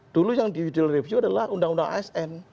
dulu yang diudil review adalah undang undang asn